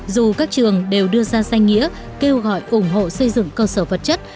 dù các trường đều đưa ra danh nghĩa kêu gọi ủng hộ xây dựng cơ sở vật chất